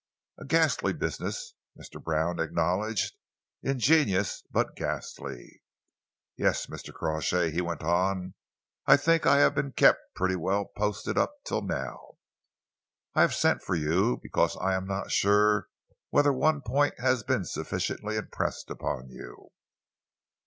"A ghastly business," Mr. Brown acknowledged, "ingenious but ghastly. Yes, Mr. Crawshay," he went on, "I think I have been kept pretty well posted up till now. I have sent for you because I am not sure whether one point has been sufficiently impressed upon you.